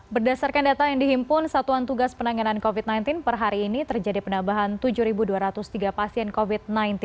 berdasarkan data yang dihimpun satuan tugas penanganan covid sembilan belas per hari ini terjadi penambahan tujuh dua ratus tiga pasien covid sembilan belas